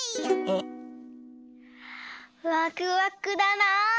・ワクワクだな。